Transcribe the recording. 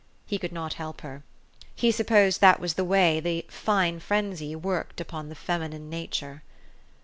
He could not help her. He supposed that was the way the "fine frenzy" worked upon the feminine nature.